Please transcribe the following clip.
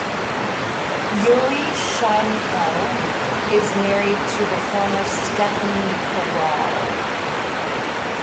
Yuri Shymko is married to the former Stephanie Kowal.